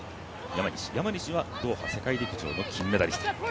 山西はドーハ世界陸上の金メダリスト。